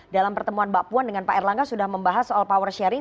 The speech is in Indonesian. dalam pertemuan mbak puan dengan pak erlangga sudah membahas soal power sharing